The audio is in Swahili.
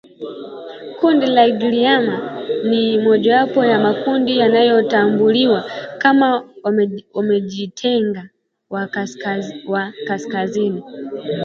Kundi la Giriama ni mojawapo wa makundi yanayotambuliwa kama Wamijikenda wa Kaskazini